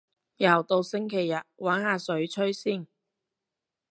又到星期日，搵下水吹先